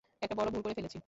একটা বড় ভুল করে ফেলেছি!